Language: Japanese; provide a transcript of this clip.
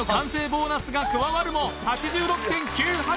ボーナスが加わるも８６．９８８